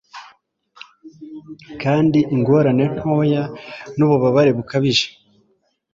Kandi ingorane ntoya nububabare bukabije